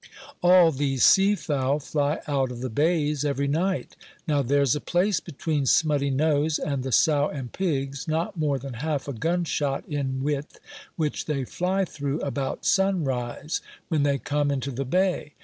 All these sea fowl fly out of the bays every night. Now, there's a place between Smutty Nose and the Sow and Pigs, not more than half a gun shot in width, which they fly through about sunrise, when they come into the bay.